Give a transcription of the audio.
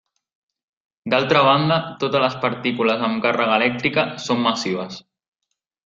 D'altra banda, totes les partícules amb càrrega elèctrica són massives.